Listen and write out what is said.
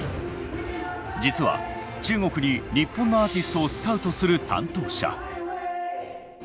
実は中国に日本のアーティストをスカウトする担当者。